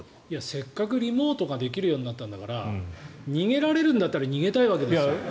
せっかくリモートができるようになったんだから逃げられるんだったら逃げたいわけですよ。